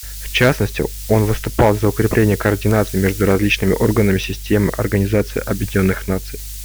В частности, он выступал за укрепление координации между различными органами системы Организации Объединенных Наций.